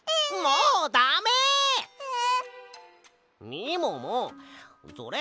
みももそれ